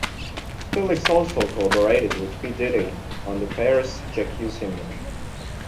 Felix also collaborated with P Diddy on the pair's "Jack U" single.